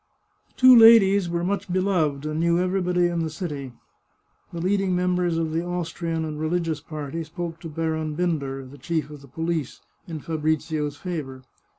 The two ladies were much beloved, and knew everybody in the city. The leading members of the Austrian and re ligious party spoke to Baron Binder, the chief of the police, in Fabrizio's favour.